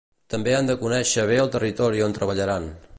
També han de conèixer bé el territori on treballaran.